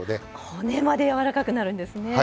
骨まで柔らかくなるんですね。